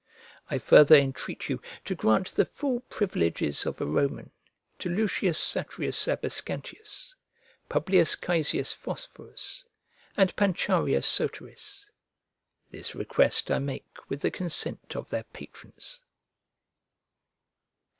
I further entreat you to grant the full privileges of a Roman to L. Satrius Abascantius, P. Caesius Phosphorus, and Pancharia Soteris. This request I make with the consent of their patrons.